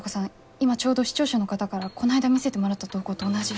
今ちょうど視聴者の方からこないだ見せてもらった投稿と同じ。